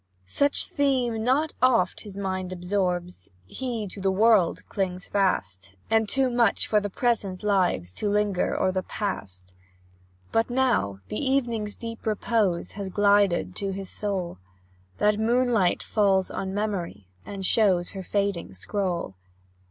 Such theme not oft his mind absorbs, He to the world clings fast, And too much for the present lives, To linger o'er the past. But now the evening's deep repose Has glided to his soul; That moonlight falls on Memory, And shows her fading scroll.